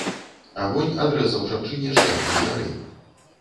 Агонь адрэзаў жанчыне шлях да дзвярэй.